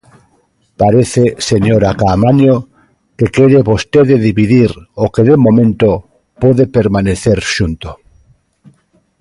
Parece, señora Caamaño, que quere vostede dividir o que, de momento, pode permanecer xunto.